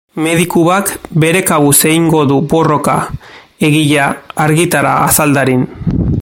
Medikuak bere kabuz egingo du borroka egia argitara azal dadin.